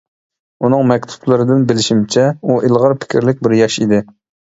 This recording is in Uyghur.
ئۇنىڭ مەكتۇپلىرىدىن بىلىشىمچە، ئۇ ئىلغار پىكىرلىك بىر ياش ئىدى.